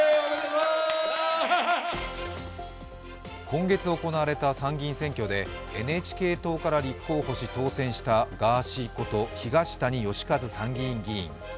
今月行われた参議院選挙でＮＨＫ党から立候補し当選したガーシーこと東谷義和参議院議員。